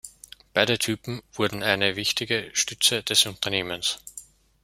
Beide Typen wurden eine wichtige Stütze des Unternehmens.